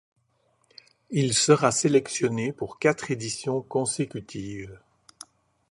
Il sera sélectionné pour quatre éditions consécutives.